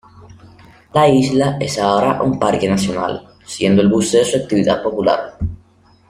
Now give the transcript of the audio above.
La isla es ahora un Parque nacional, siendo el buceo su actividad popular.